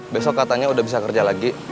besok katanya udah bisa kerja lagi